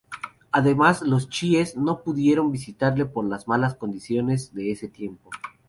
Además los chiíes no pudieron visitarle por las malas condiciones de ese tiempo.